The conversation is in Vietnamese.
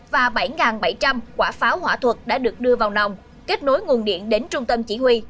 và bảy bảy trăm linh quả pháo hỏa thuật đã được đưa vào nòng kết nối nguồn điện đến trung tâm chỉ huy